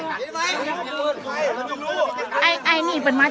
พ่อหนูเป็นใคร